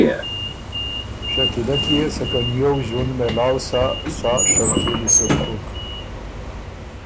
شکیلۀ کی يې سکه نیوو ݫوُند مېلاؤ سۀ، سا شوقینی سُک بُک۔